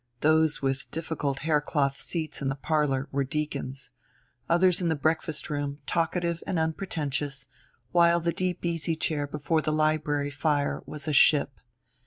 Those with difficult haircloth seats in the parlor were deacons; others in the breakfast room talkative and unpretentious; while the deep easy chair before the library fire was a ship.